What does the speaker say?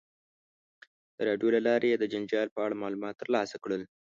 د راډیو له لارې یې د جنجال په اړه معلومات ترلاسه کړل.